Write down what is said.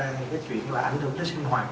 những cái chuyện là ảnh hưởng tới sinh hoạt